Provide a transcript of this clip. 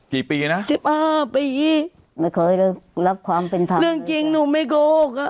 กี่ปีนะลับความเป็นเรื่องจริงหนูไม่โขลกอะ